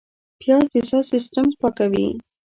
پیاز د ساه سیستم پاکوي